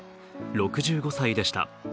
６５歳でした。